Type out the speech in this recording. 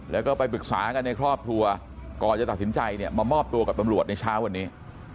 แล้วก็ไปปรึกษากันในครอบครัวก่อนจะตัดสินใจเนี่ยมามอบตัวกับตำรวจในเช้าวันนี้